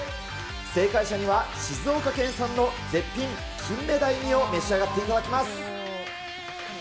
正解者には静岡県産の絶品金目鯛煮を召し上がっていただきます。